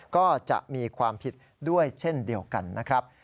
ก็จะมีความผิดด้วยเช่นเดียวกันนะครับ